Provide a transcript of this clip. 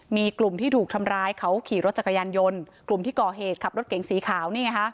มีกลุ่มที่ถูกทำร้ายเขาขี่รถจักรยานยนต์กลุ่มที่ก่อเหตุขับรถเก๋งสีขาวนี่ไงฮะ